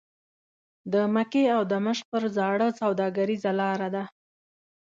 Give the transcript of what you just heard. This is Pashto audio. د مکې او دمشق پر زاړه سوداګریزه لاره ده.